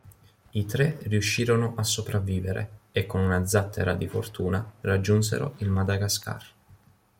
I tre riuscirono a sopravvivere e con una zattera di fortuna raggiunsero il Madagascar.